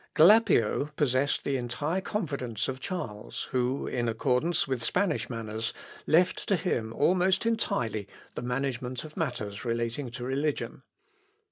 Glapio possessed the entire confidence of Charles, who (in accordance with Spanish manners) left to him almost entirely the management of matters relating to religion.